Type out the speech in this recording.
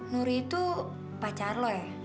nuri itu pacar kamu ya